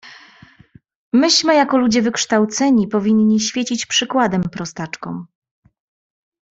"Myśmy, jako ludzie wykształceni, powinni świecić przykładem prostaczkom."